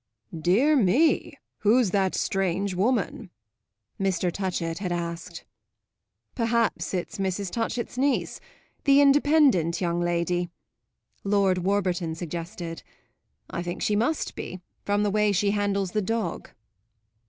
"Dear me, who's that strange woman?" Mr. Touchett had asked. "Perhaps it's Mrs. Touchett's niece the independent young lady," Lord Warburton suggested. "I think she must be, from the way she handles the dog."